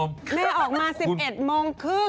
แม่ออกมา๑๑โมงครึ่ง